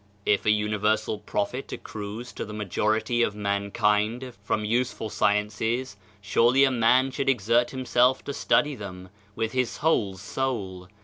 If a universal profit acmes to the majority of mankind, from useful sciences surely a man should exert himself to study them with his whole soul.